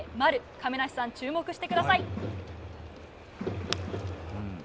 亀梨さん、注目してください。